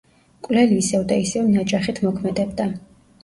მკვლელი ისევ და ისევ ნაჯახით მოქმედებდა.